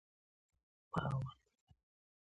The ground does not appear to feel the effect of its heat.